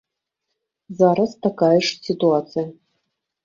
Зараз такая ж сітуацыя.